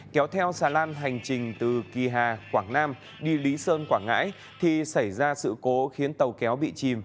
kéo theo xà lan hành trình từ kỳ hà quảng nam đi lý sơn quảng ngãi thì xảy ra sự cố khiến tàu kéo bị chìm